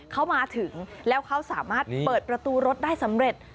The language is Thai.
เขามาถึงแล้วเขาสามารถเปิดประตูรถได้สำเร็จ